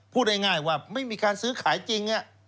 พูดง่ายว่าไม่มีการซื้อขายจริง